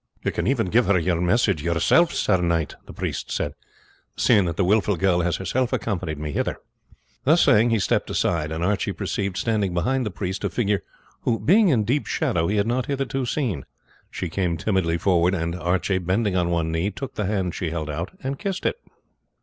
"You can even give her your message yourself, sir knight," the priest said, "seeing that the wilful girl has herself accompanied me hither." Thus saying, he stepped aside, and Archie perceived, standing behind the priest, a figure who, being in deep shadow, he had not hitherto seen. She came timidly forward, and Archie, bending on one knee, took the hand she held out and kissed it.